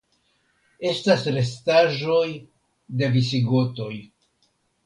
Estas restaĵoj de visigotoj.